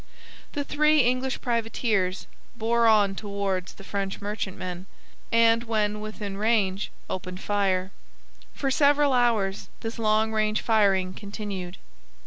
The three English privateers bore on towards the French merchantmen, and when within range opened fire. Far several hours this long range firing continued.